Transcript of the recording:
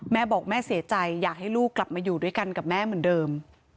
แม่บอกแม่เสียใจอยากให้ลูกกลับมาอยู่ด้วยกันกับแม่เหมือนเดิม